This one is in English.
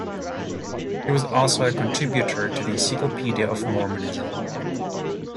He also was a contributor to the "Encyclopedia of Mormonism".